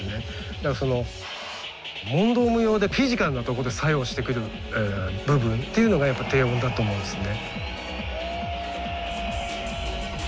だからその問答無用でフィジカルなとこで作用してくる部分っていうのがやっぱ低音だと思うんですね。